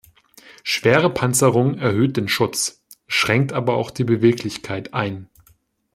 Schwere Panzerung erhöht den Schutz, schränkt aber auch die Beweglichkeit ein.